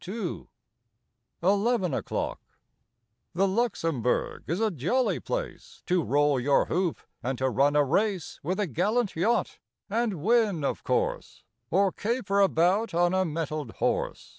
• TEN O'CLOCK 19 ELEVEN O'CLOCK T he Luxembourg is a jolly place To roll your hoop, and to run a race With a gallant yacht, and win, of course. Or caper about on a mettled horse!